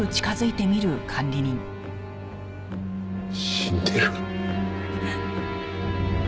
死んでる。